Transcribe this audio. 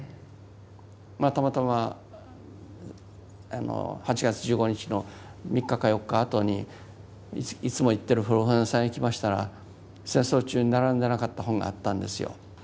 まあたまたま８月１５日の３日か４日あとにいつも行ってる古本屋さんへ行きましたら戦争中に並んでなかった本があったんですよ。